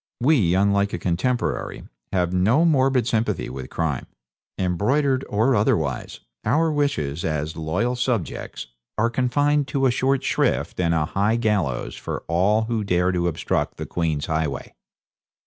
We, unlike a contemporary, have no morbid sympathy with crime embroidered or otherwise; our wishes, as loyal subjects, are confined to a short shrift and a high gallows for all who dare to obstruct the Queen's highway.'